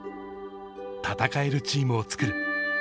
戦えるチームをつくる。